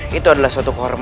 kepada ketiga dukun santri